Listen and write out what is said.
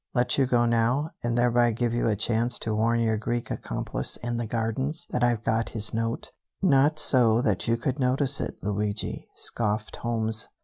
Let you go now, and thereby give you a chance to warn your Greek accomplice in the gardens that I've got his note? Not so that you could notice it, Luigi," scoffed Holmes.